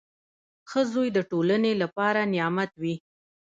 • ښه زوی د ټولنې لپاره نعمت وي.